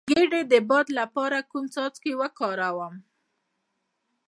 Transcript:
د ګیډې د باد لپاره کوم څاڅکي وکاروم؟